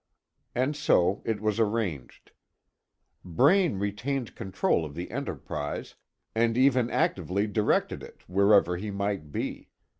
And so it was arranged. Braine retained control of the Enterprise, and even actively directed it, wherever he might be.